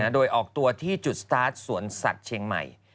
โดยออกตัวที่จุดสตาร์ทสวนสัตว์เชียงใหม่